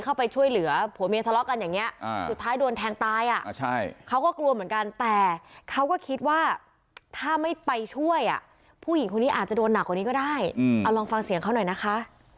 อาจจะโดนหนักกว่านี้ก็ได้อืมเอาลองฟังเสียงเขาหน่อยนะคะ